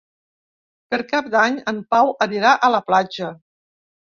Per Cap d'Any en Pau anirà a la platja.